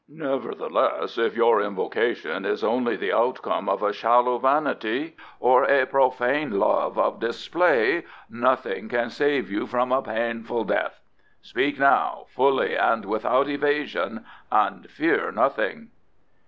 Nevertheless, if your invocation is only the outcome of a shallow vanity or a profane love of display, nothing can save you from a painful death. Speak now, fully and without evasion, and fear nothing."